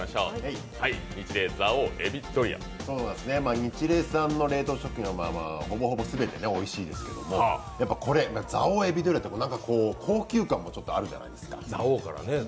ニチレイさんの冷凍食品は、ほぼほぼ全ておいしいですけどこれ、蔵王えびドリアって高級感もあるじゃないですか。